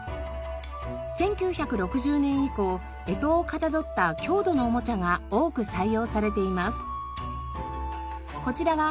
１９６０年以降干支をかたどった郷土のおもちゃが多く採用されています。